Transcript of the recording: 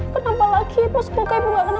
kenapa lagi mas semoga ibu gak kena makna